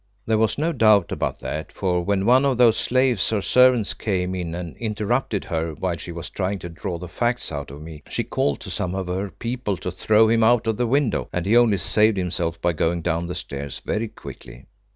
There was no doubt about that, for when one of those slaves or servants came in and interrupted her while she was trying to draw the facts out of me, she called to some of her people to throw him out of the window, and he only saved himself by going down the stairs very quickly.